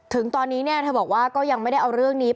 ถึงตอนนี้เธอบอกว่าก็ยังไม่ได้เอาเรื่องนี้